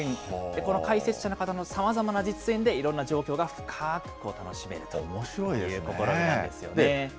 この解説者の方のさまざまな実演でいろんな情報が深く楽しめるというところなんですよね。